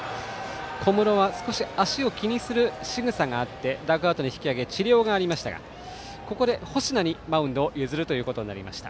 小室は少し足を気にするしぐさがあってダグアウトに引き上げ治療がありましたがここで星名にマウンドを譲ることになりました。